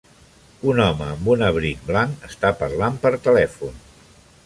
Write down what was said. Un home amb un abric blanc està parla per telèfon.